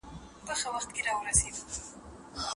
که یو ماشوم په املا کي نوې کلمې زده کړي.